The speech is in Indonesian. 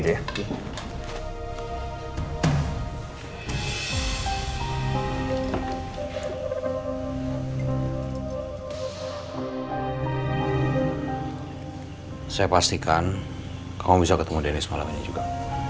saya pastikan kamu bisa ketemu denny semalam ini juga